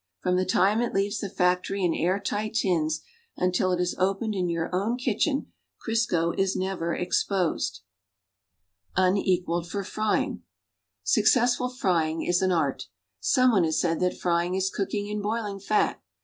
From the time it leaves the factory in air tight tins until it is opened in your own kitchen Crisco is never exposed. COOLING TUNNELS. UNEQUALED FOR FRYING Successful frying is an art. Someone lias said that frying is cooking in boiling fat.